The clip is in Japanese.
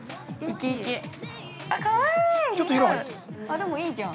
◆でもいいじゃん。